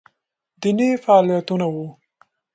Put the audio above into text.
دیني فعالیتونه وو